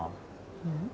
うん？